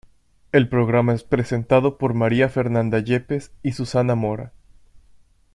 El programa es presentado por María Fernanda Yepes y Susana Mora.